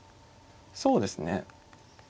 そうですね。